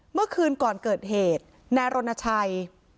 เมื่อคืนก่อนเกิดเหตุนายรณชัย